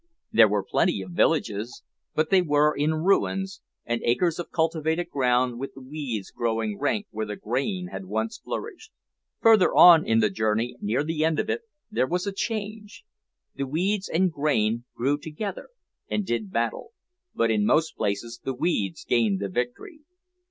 There were plenty of villages, but they were in ruins, and acres of cultivated ground with the weeds growing rank where the grain had once flourished. Further on in the journey, near the end of it, there was a change; the weeds and grain grew together and did battle, but in most places the weeds gained the victory.